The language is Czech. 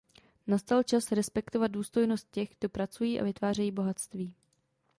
Nastal čas respektovat důstojnost těch, kdo pracují a vytvářejí bohatství.